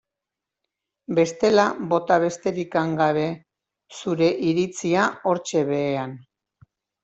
Bestela bota besterik gabe zure iritzia hortxe behean.